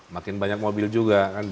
makin banyak mobil juga